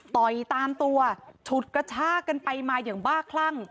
ตามตัวฉุดกระชากันไปมาอย่างบ้าคลั่ง